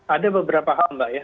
ada beberapa hal mbak ya